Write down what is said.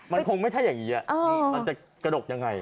มันคงไม่ใช่อย่างนี้มันจะกระดกยังไง